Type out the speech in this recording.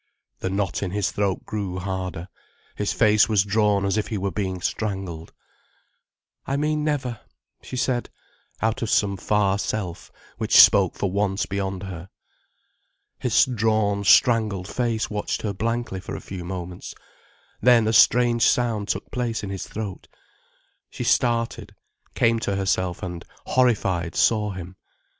The knot in his throat grew harder, his face was drawn as if he were being strangled. "I mean never," she said, out of some far self which spoke for once beyond her. His drawn, strangled face watched her blankly for a few moments, then a strange sound took place in his throat. She started, came to herself, and, horrified, saw him.